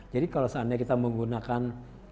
jadi kalau seandainya kita menggunakan